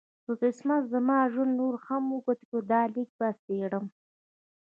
که قسمت زما ژوند نور هم اوږد کړ دا لیک به څېرم.